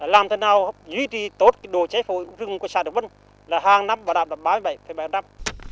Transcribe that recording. làm thế nào nhu y tí tốt đồ chế phủ rừng của xã đồng vân là hàng năm và đạp là ba mươi bảy bảy năm